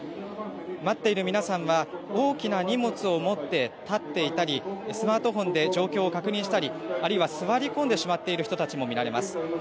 待っている皆さんは大きな荷物を持って立っていたりスマートフォンで状況を確認したり、あるいは座り込んでしまっている人たちも見られます。